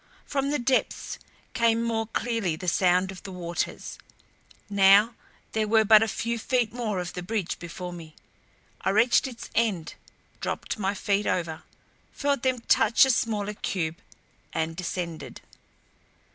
From the depths came more clearly the sound of the waters. Now there were but a few feet more of the bridge before me. I reached its end, dropped my feet over, felt them touch a smaller cube, and descended.